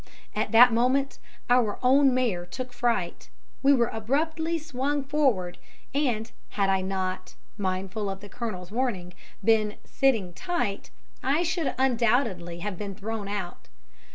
At that moment our own mare took fright; we were abruptly swung forward, and, had I not mindful of the Colonel's warning been "sitting tight," I should undoubtedly have been thrown out.